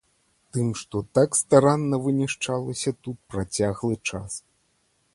Тым, што так старанна вынішчалася тут працяглы час.